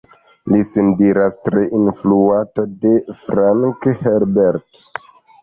Li sin diras tre influata de Frank Herbert.